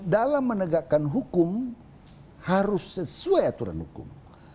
dalam menegakkan hukum harus sesuai aturan hukum